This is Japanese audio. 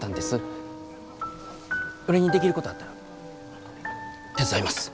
俺にできることあったら手伝います。